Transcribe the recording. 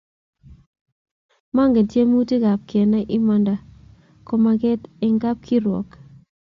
manget tiemutik ab kenai imanda ko manget eng kap kirwak